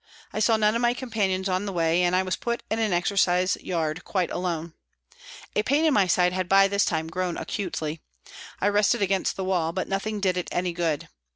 I saw none of my companions on the way, and I was put in an exercise yard quite alone. A pain in my side had by this time grown acutely. I rested against the wall, but nothing did it any good.